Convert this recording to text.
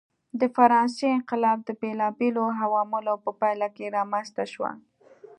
د فرانسې انقلاب د بېلابېلو عواملو په پایله کې رامنځته شو.